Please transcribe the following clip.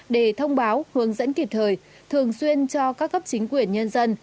để thông báo hướng dẫn kịp thời thường xuyên cho các cấp chính quyền nhân dân